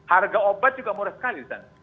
harga obat juga murah sekali di sana